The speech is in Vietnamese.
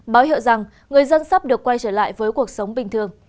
báo hiệu rằng người dân sắp được quay trở lại với cuộc sống bình thường